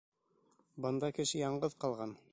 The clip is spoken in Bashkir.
Бында кеше яңғыҙ ҡалған.